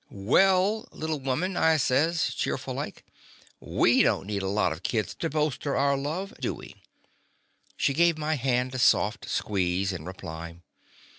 '"Well, little woman,'' I says, cheer ful like, ''we don't need a lot of kids to bolster up our love, do we?" She gave my hand a soft squeeze in reply.